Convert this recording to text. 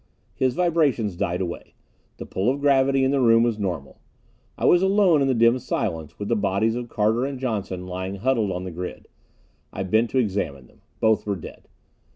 His vibrations died away. The pull of gravity in the room was normal. I was alone in the dim silence, with the bodies of Carter and Johnson lying huddled on the grid. I bent to examine them. Both were dead.